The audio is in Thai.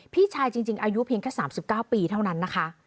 พี่ชายจริงอายุเพียงแค่๓๙ปีเท่านั้นนะคะ